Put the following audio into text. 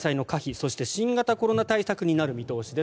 そして、新型コロナ対策になる見通しです。